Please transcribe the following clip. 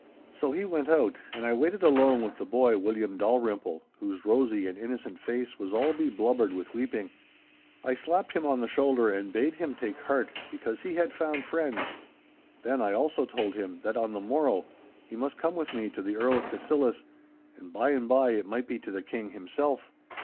So he went out and I waited alone with the boy William Dalrymple, whose rosy and innocent face was all beblubbered with weeping. I slapped him on the shoulder and bade him take heart because he had found friends. Then I also told him that on the morrow he must come with me to the Earl of Cassillis, and by and by it might be to the King himself.